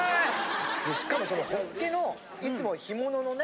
しかもそのホッケのいつも干物のね